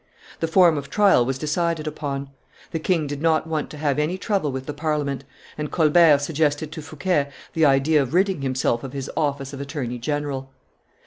The form of trial was decided upon. The king did not want to have any trouble with the Parliament; and Colbert suggested to Fouquet the idea of ridding himself of his office of attorney general.